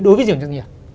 đối với doanh nghiệp